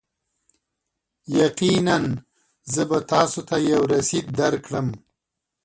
یقینا، زه به تاسو ته یو رسید درکړم.